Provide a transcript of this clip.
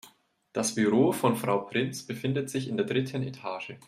Das Büro von Frau Prinz befindet sich in der dritten Etage.